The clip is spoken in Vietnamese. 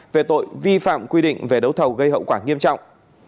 về tội vi phạm quy định về đấu thầu gây hậu quả nghiêm trọng